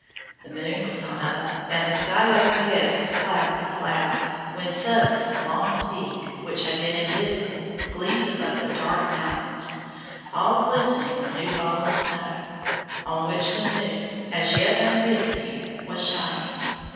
The moon was not up, and the sky overhead was black with clouds, when suddenly Long's Peak, which had been invisible, gleamed above the dark mountains, all glistening with new fallen snow, on which the moon, as yet uprisen here, was shining.